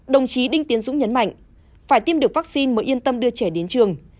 đồng chí đinh tiến dũng nhấn mạnh phải tiêm được vaccine mới yên tâm đưa trẻ đến trường